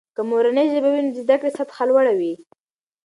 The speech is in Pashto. که مورنۍ ژبه وي، نو د زده کړې سطحه لوړه وي.